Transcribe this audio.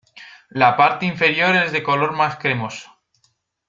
La parte inferior es de color más cremoso.